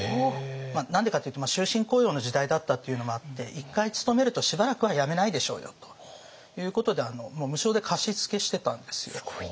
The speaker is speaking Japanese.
何でかっていうと終身雇用の時代だったっていうのもあって一回勤めるとしばらくは辞めないでしょうよということで無償で貸し付けしてたんですよ。